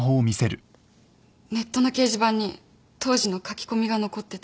ネットの掲示板に当時の書き込みが残ってた。